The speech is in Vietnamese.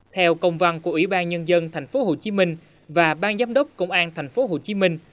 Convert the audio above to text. theo công văn của ủy ban nhân dân tp hcm và ban giám đốc công an tp hcm